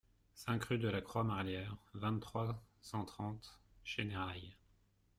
cinq rue de la Croix Marlière, vingt-trois, cent trente, Chénérailles